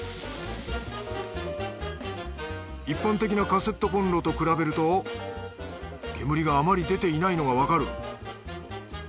一般的なカセットこんろと比べると煙があまり出ていないのがわかる。